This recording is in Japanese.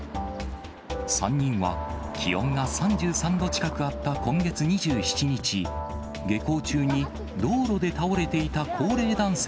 ３人は、気温が３３度近くあった今月２７日、下校中に、ここです。